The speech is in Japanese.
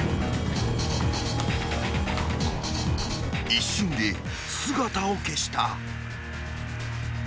［一瞬で姿を消した］